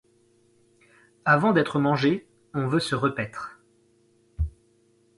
Avant d’être mangé, on veut se repaître.